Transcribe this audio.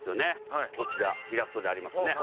こちらイラストでありますね。